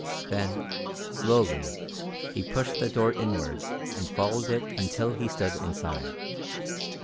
Then, slowly, he pushed the door inward and followed it until he stood inside.